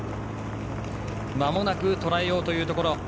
まもなくとらえようというところ。